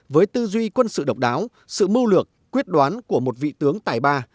với tư duy quân sự độc đáo sự mưu lược quyết đoán của một vị tướng tài ba